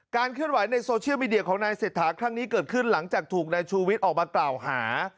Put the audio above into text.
เคลื่อนไหวในโซเชียลมีเดียของนายเศรษฐาครั้งนี้เกิดขึ้นหลังจากถูกนายชูวิทย์ออกมากล่าวหา